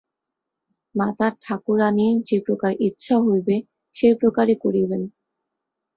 মাতাঠাকুরাণীর যে প্রকার ইচ্ছা হইবে, সেই প্রকারই করিবেন।